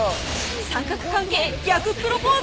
三角関係・逆プロポーズ